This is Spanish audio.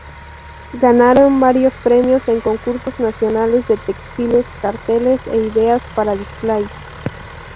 Ganaron varios premios en concursos nacionales de textiles, carteles e ideas para displays.